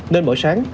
nên mỗi sáng